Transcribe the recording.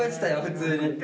普通に。